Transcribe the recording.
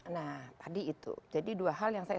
nah tadi itu jadi dua hal yang saya